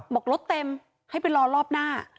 บอกรถเต็มให้ไปรอรอบหน้า